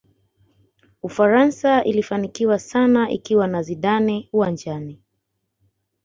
ufaransa ilifanikiwa sana ikiwa na zidane uwanjani